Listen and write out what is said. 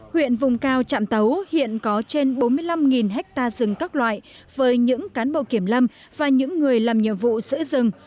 huyện vùng cao trạm tấu hiện có trên bốn mươi năm ha rừng các loại với những cán bộ kiểm lâm và những người làm nhiệm vụ giữ rừng